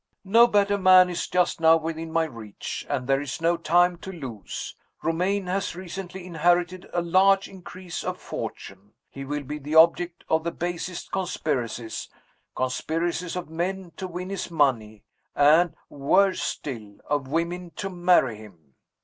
No better man is just now within my reach and there is no time to lose. Romayne has recently inherited a large increase of fortune. He will be the object of the basest conspiracies conspiracies of men to win his money, and (worse still) of women to marry him.